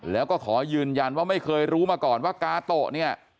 แล้วก็ขอยืนยันว่าไม่เคยรู้มาก่อนว่ากาโตะเนี่ย